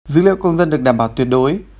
dữ liệu công dân được đảm bảo tuyệt đối